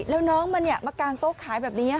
แล้วน้องมันมากางโต๊ะขายแบบนี้